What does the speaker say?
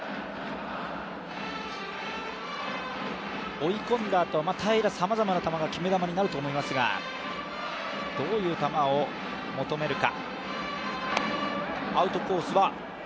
追い込んだあと、平良はさまざまな球が決め球になると思いますがどういう球を求めるか。